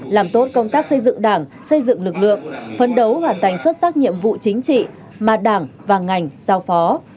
làm tốt công tác xây dựng đảng xây dựng lực lượng phấn đấu hoàn thành xuất sắc nhiệm vụ chính trị mà đảng và ngành giao phó